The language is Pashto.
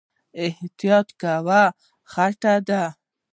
احتياط کوه، خټې دي